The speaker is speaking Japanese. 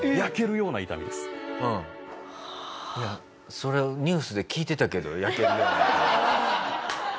いやそれニュースで聞いてたけど「焼けるような痛み」。